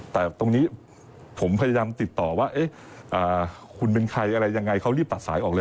แต่ตรงนี้ผมพยายามติดต่อว่าคุณเป็นใครอะไรยังไงเขารีบตัดสายออกเลย